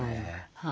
はい。